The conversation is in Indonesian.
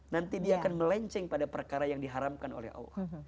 nanti dia akan melenceng pada perkara yang diharamkan oleh allah